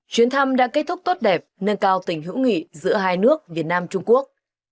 chuyến thăm đã kết thúc tốt đẹp nâng cao tình hữu nghị giữa hai nước việt nam trung quốc